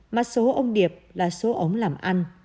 mà số ông điệp là số ống làm ăn